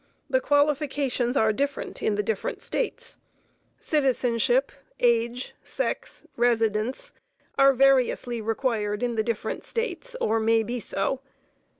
The qualifications are different in the different States. Citizenship, age, sex, residence, are variously required in the different States, or may be so.